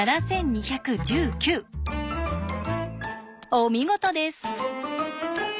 お見事です！